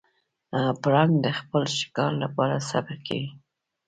پړانګ د خپل ښکار لپاره صبر کوي.